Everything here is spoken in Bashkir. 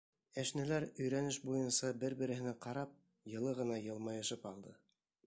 Әшнәләр өйрәнеш буйынса бер-береһенә ҡарап, йылы ғына йылмайышып алды.